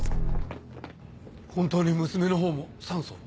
本当に娘のほうも酸素を？